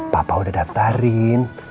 papa udah daftarin